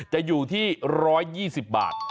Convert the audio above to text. จะอยู่ที่๑๒๐บาท